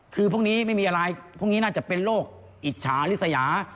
คือพวกนี้ไม่มีอะไรพวกนี้น่าจะเป็นโรคอิจฉาริสยา